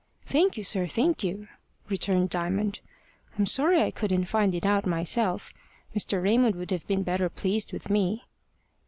"Thank you, sir, thank you," returned Diamond. "I'm sorry I couldn't find it out myself; Mr. Raymond would have been better pleased with me."